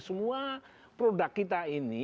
semua produk kita ini